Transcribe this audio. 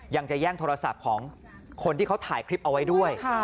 ยังจะแย่งโทรศัพท์ของคนที่เขาถ่ายคลิปเอาไว้ด้วย